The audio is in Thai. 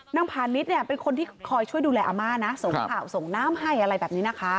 พาณิชย์เนี่ยเป็นคนที่คอยช่วยดูแลอาม่านะส่งข่าวส่งน้ำให้อะไรแบบนี้นะคะ